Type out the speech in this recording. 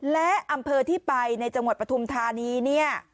และอำเภอที่ไปในจังหวัดปฐุมธานีเนี่ย